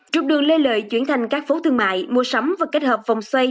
trục đường lê lợi chuyển thành các phố thương mại mua sắm và kết hợp vòng xoay